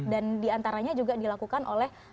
dan diantaranya juga dilakukan oleh